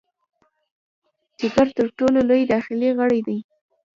جګر تر ټولو لوی داخلي غړی دی.